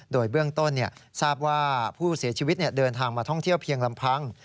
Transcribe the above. โดยเบื้องต้นทราบว่าผู้เสียชีวิตเดินทางมาท่องเที่ยวเพียงลำพัง